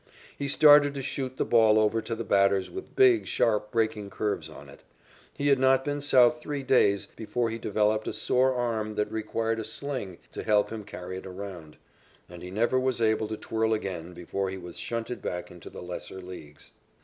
He started to shoot the ball over to the batters with big, sharp breaking curves on it. He had not been South three days before he developed a sore arm that required a sling to help him carry it around, and he never was able to twirl again before he was shunted back into the lesser leagues.